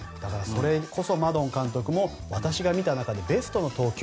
それこそマドン監督も私が見た中でベストの投球。